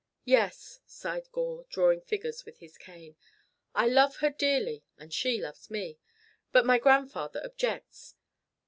"Yes," sighed Gore, drawing figures with his cane. "I love her dearly and she loves me. But my grandfather objects.